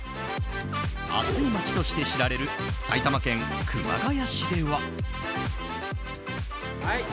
暑い町として知られる埼玉県熊谷市では。